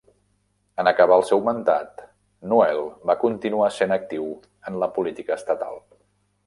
En acabar el seu mandat, Noel va continuar sent actiu en la política estatal.